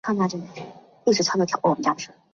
官职为左卫门少尉。